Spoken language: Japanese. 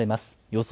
予想